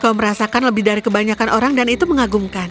kau merasakan lebih dari kebanyakan orang dan itu mengagumkan